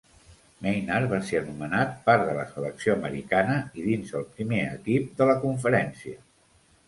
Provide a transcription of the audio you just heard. Maynard va ser anomenat part de la selecció americana i dins el primer equip de la Conferència.